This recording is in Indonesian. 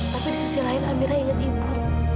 tapi di sisi lain amira ingin ibu